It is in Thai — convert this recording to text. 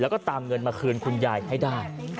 แล้วก็ตามเงินมาคืนคุณยายให้ได้